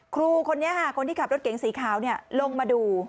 ครูคนนี้ค่ะคนที่ขับรถเก๋งสีขาวลงมาดู